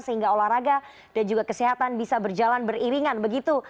sehingga olahraga dan juga kesehatan bisa berjalan beriringan begitu